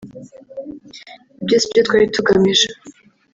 Ibyo si byo twari tugamije